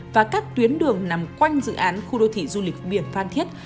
và các tuyến đường nằm quanh dự án khu đô thị du lịch biển phan thiết